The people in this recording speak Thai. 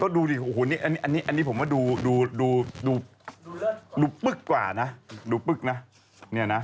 ก็ดูถึงอ๋ออยู่ตรงนี้อันนี้ผมว่าดูปึ๊ะกว่านะดูปึ๊ะนะเนี่ยนะ